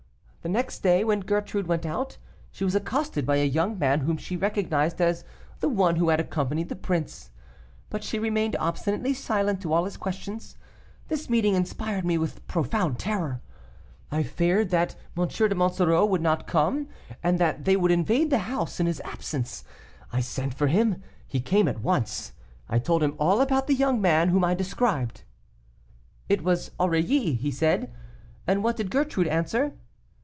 The next day, when Gertrude went out, she was accosted by a young man whom she recognized as the one who had accompanied the prince, but she remained obstinately silent to all his questions. This meeting inspired me with profound terror; I feared that M. de Monsoreau would not come, and that they would invade the house in his absence. I sent for him, he came at once. I told him all about the young man, whom I described. "'It was Aurilly;' he said, 'and what did Gertrude answer?